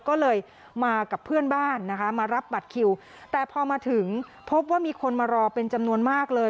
ก็เลยมากับเพื่อนบ้านนะคะมารับบัตรคิวแต่พอมาถึงพบว่ามีคนมารอเป็นจำนวนมากเลย